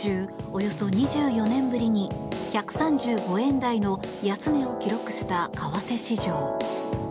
およそ２４年ぶりに１３５円台の安値を記録した為替市場。